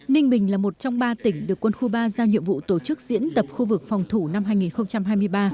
ninh bình là một trong ba tỉnh được quân khu ba giao nhiệm vụ tổ chức diễn tập khu vực phòng thủ năm hai nghìn hai mươi ba